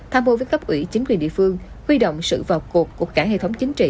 tham mô với cấp ủy chính quyền địa phương huy động sự vào cuộc của cả hệ thống chính trị